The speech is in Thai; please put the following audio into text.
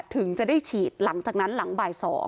ถึงจะได้ฉีดหลังจากนั้นหลังบ่าย๒